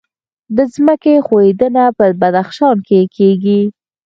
د ځمکې ښویدنه په بدخشان کې کیږي